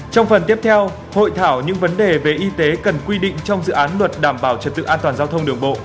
trong phần tiếp theo hội thảo những vấn đề về y tế cần quy định trong dự án luật đảm bảo trật tự an toàn giao thông đường bộ